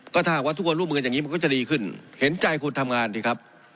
ก็ถ้าหากว่าทุกคนร่วมมือกันอย่างนี้มันก็จะดีขึ้นเห็นใจคนทำงานดีครับ